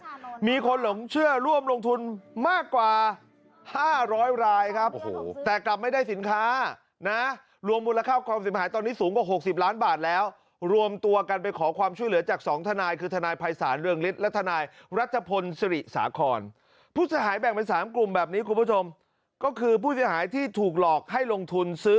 สินค้าเนี่ยมีคนหลงเชื่อร่วมลงทุนมากกว่า๕๐๐รายครับแต่กลับไม่ได้สินค้านะรวมมูลค่าความสินค้าตอนนี้สูงกว่า๖๐ล้านบาทแล้วรวมตัวกันไปขอความช่วยเหลือจากสองทนายคือทนายภัยสารเรื่องฤทธิ์และทนายรัชพลศรีสาคอนผู้สหายแบ่งเป็น๓กลุ่มแบบนี้คุณผู้ชมก็คือผู้สหายที่ถูกหลอกให้ลงทุนซ